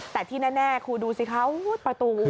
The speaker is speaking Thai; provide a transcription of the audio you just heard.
แต่ที่แน่ครูดูสิคะประตู